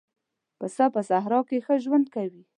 پسه په صحرا کې ښه ژوند کوي.